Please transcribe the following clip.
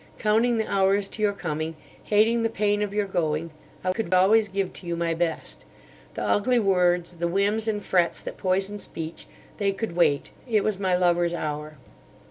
Counting the hours to your coming, hating the pain of your going, I could always give to you my best. The ugly words, the whims and frets that poison speech—they could wait; it was my lover's hour.